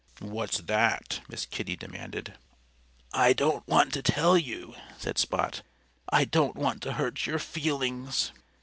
"What's that?" Miss Kitty demanded. "I don't want to tell you," said Spot. "I don't want to hurt your feelings."